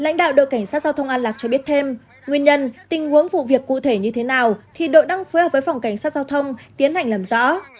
lãnh đạo đội cảnh sát giao thông an lạc cho biết thêm nguyên nhân tình huống vụ việc cụ thể như thế nào thì đội đang phối hợp với phòng cảnh sát giao thông tiến hành làm rõ